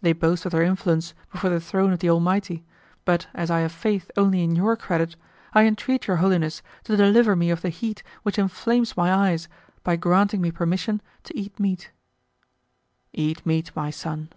They boast of their influence before the throne of the Almighty, but as I have faith only in your credit, I entreat Your Holiness to deliver me of the heat which inflames my eyes by granting me permission to eat meat." "Eat meat, my son."